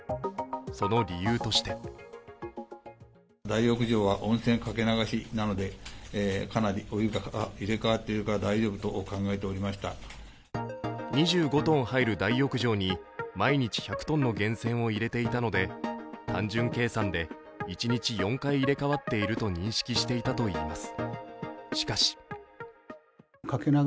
その理由として２５ｔ入る大浴場に毎日１００ｔの源泉を入れていたので単純計算で一日４回入れ替わっていると認識していたといいます。